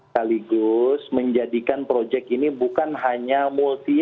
kaligus menjadikan projek ini bukan hanya untuk membangun peradaban